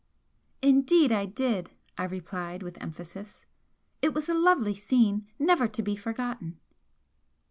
"Indeed I did!" I replied, with emphasis "It was a lovely scene! never to be forgotten."